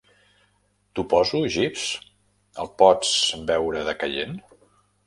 T'ho poso, Jeeves, el pots veure decaient?